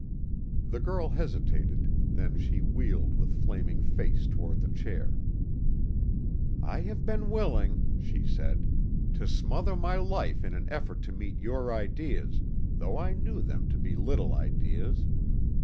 The girl hesitated, then she wheeled with flaming face toward the chair. "I have been willing," she said, "to smother my life in an effort to meet your ideas, though I knew them to be little ideas.